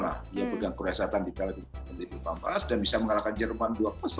dia pegang kruiasatan di plk lima belas dan bisa mengalahkan jerman dua